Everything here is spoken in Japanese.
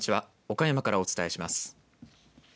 岡山からお伝えします